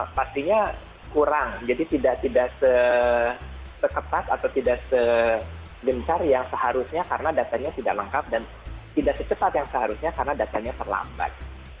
karena kurang jadi tidak seketat atau tidak sebesar yang seharusnya karena datanya tidak lengkap dan tidak secepat yang seharusnya karena datanya terlambat